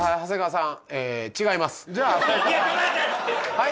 はい？